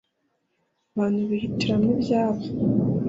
abantu bihitiramo ibyabo